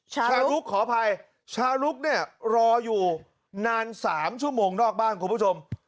ชาลุกขออภัยชาลุกเนี่ยรออยู่นาน๓ชั่วโมงนอกบ้านคุณผู้ชม